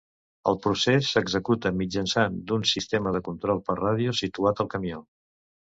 El procés s'executa mitjançant d'un sistema de control per ràdio situat al camió.